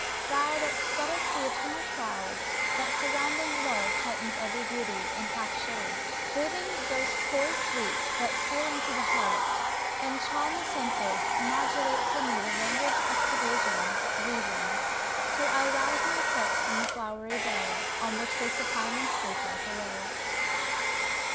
thou that spreadest the ethereal cloud that surrounding love heightens every beauty, it half shades, breathing those coy sweets that steal into the heart, and charm the senses modulate for me the language of persuasive reason, till I rouse my sex from the flowery bed, on which they supinely sleep life away!